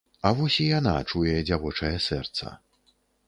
А вось і яна, чуе дзявочае сэрца.